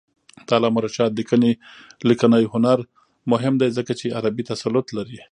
د علامه رشاد لیکنی هنر مهم دی ځکه چې عربي تسلط لري.